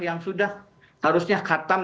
yang sudah harusnya khatam